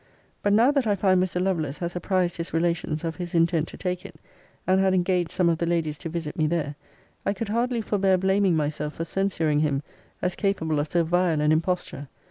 But now that I find Mr. Lovelace has apprized his relations of his intent to take it, and had engaged some of the ladies to visit me there, I could hardly forbear blaming myself for censuring him as capable of so vile an imposture.